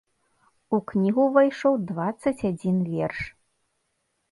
У кнігу ўвайшоў дваццаць адзін верш.